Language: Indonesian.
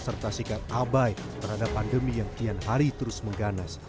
serta sikap abai terhadap pandemi yang kian hari terus mengganas